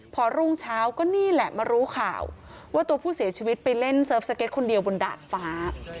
พอรุ่งเช้าก็นี่แหละมารู้ข่าวว่าตัวผู้เสียชีวิตไปเล่นเซิร์ฟสเก็ตคนเดียวบนดาดฟ้า